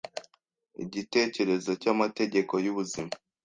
igitekerezo cyamategeko yubuzima.